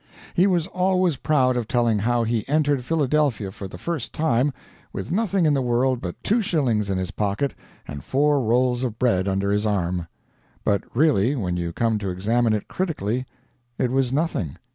He was always proud of telling how he entered Philadelphia for the first time, with nothing in the world but two shillings in his pocket and four rolls of bread under his arm. But really, when you come to examine it critically, it was nothing.